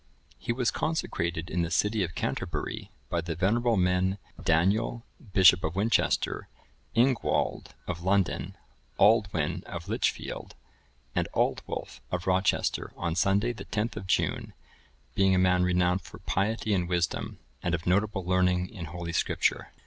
(1009) He was consecrated in the city of Canterbury by the venerable men, Daniel,(1010) bishop of Winchester, Ingwald of London,(1011) Aldwin of Lichfield,(1012) and Aldwulf of Rochester,(1013) on Sunday, the 10th of June, being a man renowned for piety and wisdom, and of notable learning in Holy Scripture.